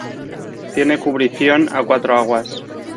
Tiene cubrición a cuatro aguas.